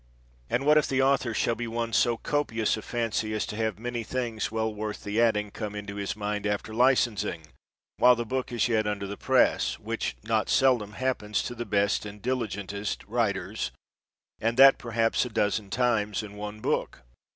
And what if the author shall be one so copi ous of fancy, as to have many things well worth the adding come into his mind after licens ing, while the book is yet under the press, which not seldom happens to the best and diligentest 98 MILTON writers; and that perhaps a dozen times in one book?